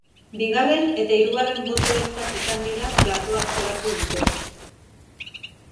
Bigarren eta hirugarren boto beltzak izan dira platoa aztoratu dutenak.